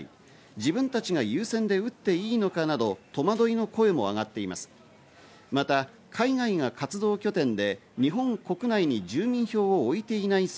自分たちが優先で打っていいのかなど戸惑いの声も上がっています。